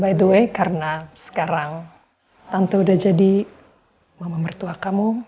by the way karena sekarang tante udah jadi mama mertua kamu